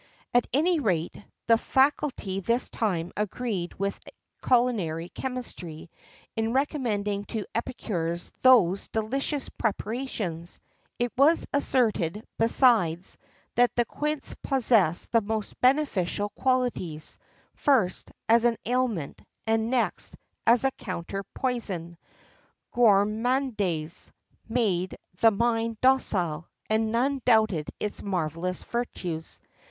At any rate, the faculty this time agreed with culinary chemistry in recommending to epicures those delicious preparations. It was asserted, besides, that the quince possessed the most beneficial qualities,[XIII 11] first, as an aliment, and next, as a counter poison:[XIII 12] gourmandise made the mind docile, and none doubted its marvellous virtues.